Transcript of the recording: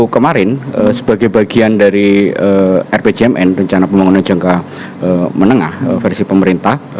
dua ribu dua puluh kemarin sebagai bagian dari rpjmn rencana pembangunan jangka menengah versi pemerintah